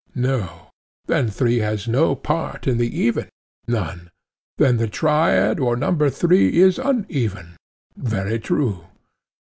No. Then three has no part in the even? None. Then the triad or number three is uneven? Very true.